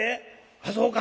「あそうか。